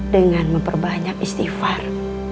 dengan memperbanyak istighfar